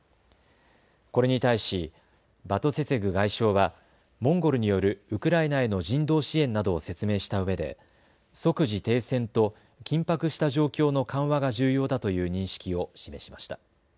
これに対しバトツェツェグ外相はモンゴルによるウクライナへの人道支援などを説明したうえで即時停戦と緊迫した状況の緩和が重要だという認識を示しました。